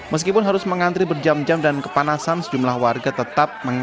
meskipun harus mengantri berjam jam dan kepanasan